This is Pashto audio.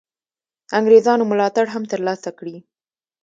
انګرېزانو ملاتړ هم تر لاسه کړي.